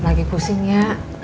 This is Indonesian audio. lagi pusing ya